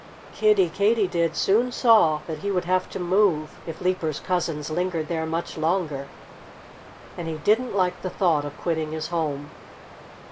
Kiddie Katydid soon saw that he would have to move, if Leaper's cousins lingered there much longer. And he didn't like the thought of quitting his home.